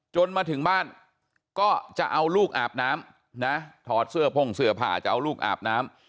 มาถึงบ้านก็จะเอาลูกอาบน้ำนะถอดเสื้อพ่งเสื้อผ้าจะเอาลูกอาบน้ำ